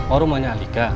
oh rumahnya alika